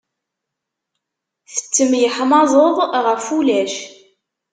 Tettemyeḥmaẓeḍ ɣef ulac.